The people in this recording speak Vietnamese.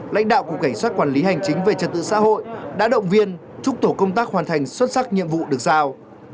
lãnh đạo cục cảnh sát quản lý hành chính về trật tự xã hội đã động viên chúc tổ công tác hoàn thành xuất sắc nhiệm vụ được giao